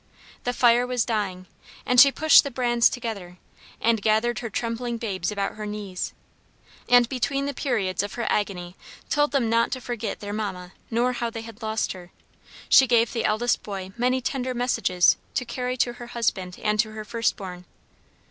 The fire was dying and she pushed the brands together, and gathered her trembling babes about her knees, and between the periods of her agony told them not to forget their mamma nor how they had lost her; she gave the eldest boy many tender messages to carry to her husband and to her first born.